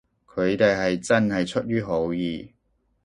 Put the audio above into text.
佢哋係真係出於好意